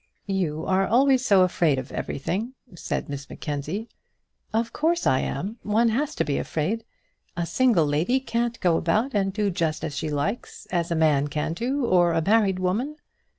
"You are always so afraid of everything," said Miss Mackenzie. "Of course I am; one has to be afraid. A single lady can't go about and do just as she likes, as a man can do, or a married woman."